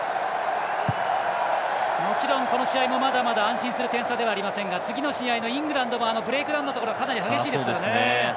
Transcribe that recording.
もちろん、この試合もまだまだ安心する点差ではありませんからイングランドはブレイクダウンのところかなり激しいですからね。